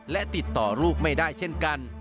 และติดต่อลูกไม่ได้เช่นกัน